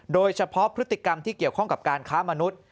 โดยเฉพาะพฤติกรรมที่เกี่ยวข้องกับการค้ามนุษย์